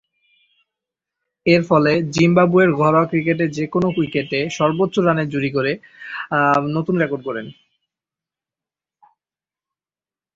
এরফলে, জিম্বাবুয়ের ঘরোয়া ক্রিকেটে যে-কোন উইকেটে সর্বোচ্চ রানের জুটি গড়ে নতুন রেকর্ড গড়েন।